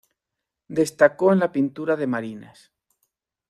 Destacó en la pintura de marinas.